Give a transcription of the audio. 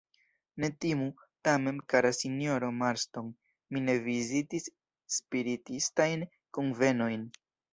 Ne timu, tamen, kara sinjoro Marston, mi ne vizitis spiritistajn kunvenojn.